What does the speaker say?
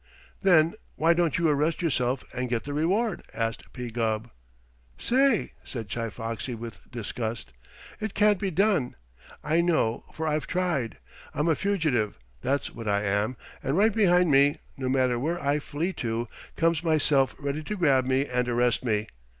"Then why don't you arrest yourself and get the reward?" asked P. Gubb. "Say," said Chi Foxy with disgust. "It can't be done. I know, for I've tried. I'm a fugitive, that's what I am, and right behind me, no matter where I flee to, comes myself ready to grab me and arrest me.